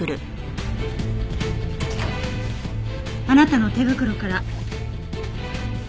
あなたの手袋から。